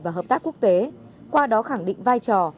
và hợp tác quốc tế qua đó khẳng định vai trò